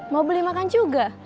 mau beli makan juga